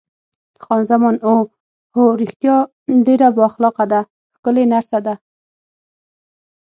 خان زمان: اوه هو، رښتیا ډېره با اخلاقه ده، ښکلې نرسه ده.